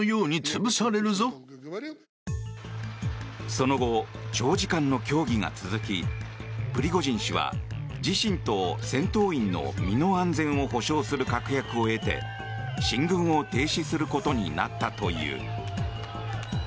その後、長時間の協議が続きプリゴジン氏は自身と戦闘員の身の安全を保障する確約を得て進軍を停止することになったという。